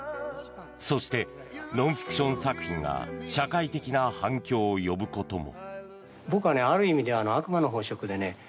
そして、ノンフィクション作品が社会的な反響を呼ぶことも。